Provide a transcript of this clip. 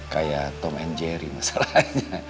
kayak tom and jerry masalahnya